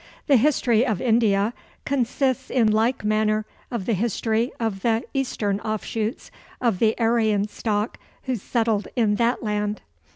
The history of India consists in like manner of the history of the eastern offshoots of the Aryan stock who settled in that land.